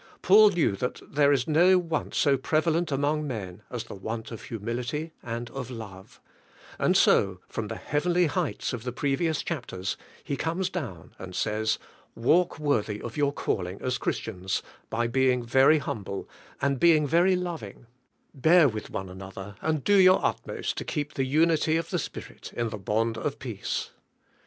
Paul knew that there is no want so pre valent among men as the want of humility and of love; and so, from the heavenly heights of the pre vious chapters, he comes down and says, "Walk worthy of your calling as Christians, by being very humble, and being very loving; bear with one an other, and do your utmost to keep the unity of the Spirit in the bond of peace.